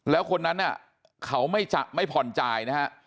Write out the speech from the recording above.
แล้วคนนั้นเขาไม่ผ่อนจ่ายนะครับ